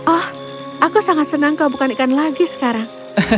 oh aku sangat senang kau bukan ikan lagi sekarang